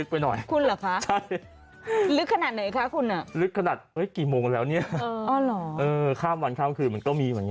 ข้ามวันข้ามคืนมันก็มีเหมือนกัน